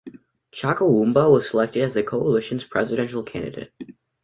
Chakuamba was selected as the coalition's presidential candidate.